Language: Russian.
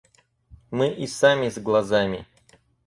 – Мы и сами с глазами.